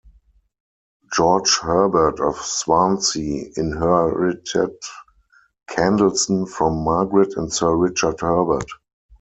George Herbert of Swansea inherited Candleston from Margaret and Sir Richard Herbert.